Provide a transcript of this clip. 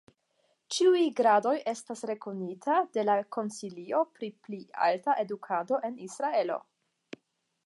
Ĉiuj gradoj estas rekonita de la konsilio pri pli alta edukado en Israelo.